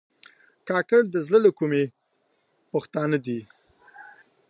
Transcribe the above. کاکړ د زړه له کومي پښتانه دي.